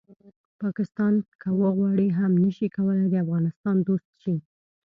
پاکستان که وغواړي هم نه شي کولی د افغانستان دوست شي